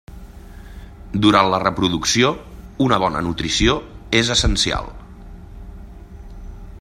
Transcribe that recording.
Durant la reproducció, una bona nutrició és essencial.